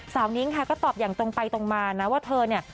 นิ้งค่ะก็ตอบอย่างตรงไปตรงมานะว่าเธอเนี่ย